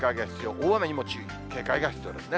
大雨にも注意、警戒が必要ですね。